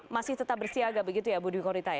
masih tetap bersiaga begitu ya bu dwi khorita